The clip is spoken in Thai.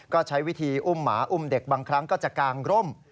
ก็ใช้วิธีอุ้มหมาอุ้มเด็กบางครั้งก็จะกางร่ม